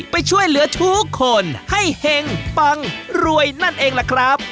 ไปช่วยเหลือทุกคนให้เห็งปังรวยนั่นเองล่ะครับ